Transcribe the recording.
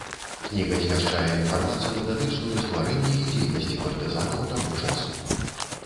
Кніга змяшчае інфармацыю датычную стварэння і дзейнасці партызанаў таго часу.